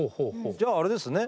じゃああれですね